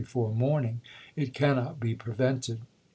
12,1861. before morning. It cannot be prevented."